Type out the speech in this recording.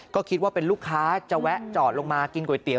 ก็คิดว่าเป็นลูกค้าจะแวะจอดลงมากินก๋วยเตี๋ย